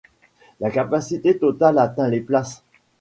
La capacité totale atteint les places.